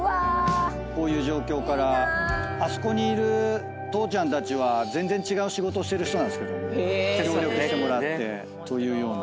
あそこにいる父ちゃんたちは全然違う仕事をしてる人なんですけども協力してもらって。というような。